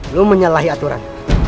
lu menyalahi aturan